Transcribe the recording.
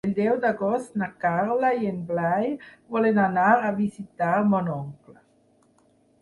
El deu d'agost na Carla i en Blai volen anar a visitar mon oncle.